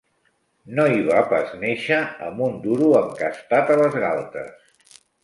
No hi va pas néixer amb un duro encastat a les galtes.